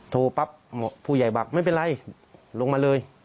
ปั๊บผู้ใหญ่บอกไม่เป็นไรลงมาเลย